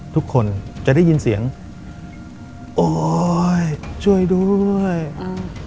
ทุกคนจะได้ยินเสียงโอ้ยช่วยด้วยอืม